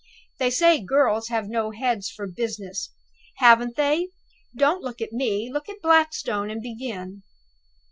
They say girls have no heads for business. Haven't they! Don't look at me look at Blackstone, and begin."